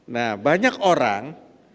nah banyak orang